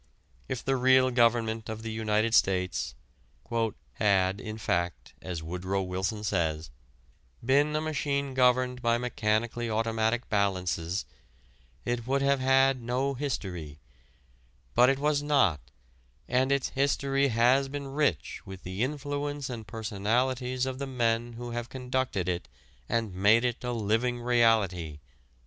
If the real government of the United States "had, in fact," as Woodrow Wilson says, "been a machine governed by mechanically automatic balances, it would have had no history; but it was not, and its history has been rich with the influence and personalities of the men who have conducted it and made it a living reality."